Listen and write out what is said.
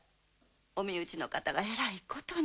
お身内の方がえらいことに。